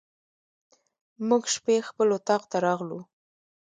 موږ شپې خپل اطاق ته راغلو.